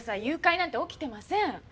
誘拐なんて起きてません。